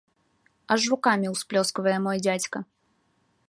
Аж рукамі ўсплёсквае мой дзядзька.